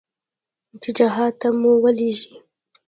چې جهاد ته مو ولېږي.